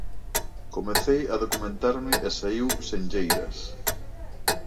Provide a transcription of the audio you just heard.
Comecei a documentarme e saíu Senlleiras.